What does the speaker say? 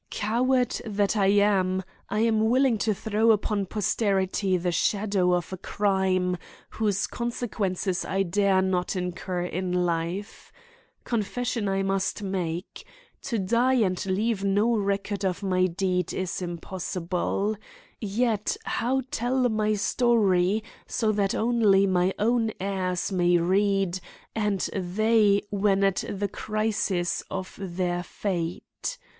"Coward that I am, I am willing to throw upon posterity the shadow of a crime whose consequences I dare not incur in life. Confession I must make. To die and leave no record of my deed is impossible. Yet how tell my story so that only my own heirs may read and they when at the crisis of their fate?